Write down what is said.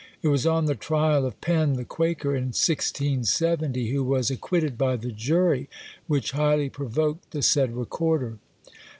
It was on the trial of Penn the Quaker, in 1670, who was acquitted by the jury, which highly provoked the said recorder.